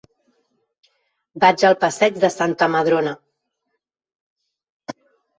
Vaig al passeig de Santa Madrona.